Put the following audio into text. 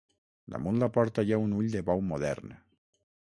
Damunt la porta hi ha un ull de bou modern.